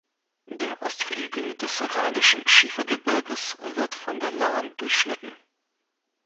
Der Ostflügel des Rheinischen Schiefergebirges wird von der Lahn durchschnitten.